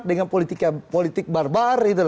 dengan politik barbar